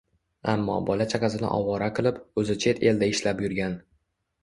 ammo bola-chaqasini ovora qilib, o‘zi chet elda ishlab yurgan